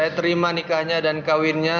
saya terima nikahnya dan kawinnya